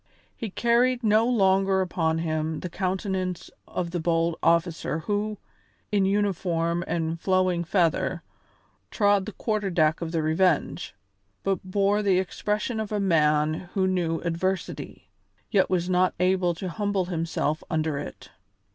He carried no longer upon him the countenance of the bold officer who, in uniform and flowing feather, trod the quarter deck of the Revenge, but bore the expression of a man who knew adversity, yet was not able to humble himself under it.